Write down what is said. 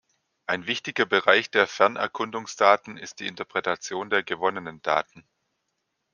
Ein wichtiger Bereich der Fernerkundungsdaten ist die Interpretation der gewonnenen Daten.